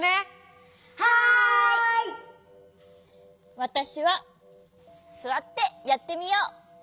わたしはすわってやってみよう。